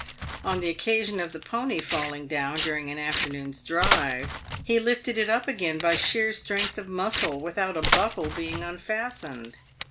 On the occasion of the pony falling down during an afternoon's drive, he lifted it up again by sheer strength of muscle, without a buckle being unfastened.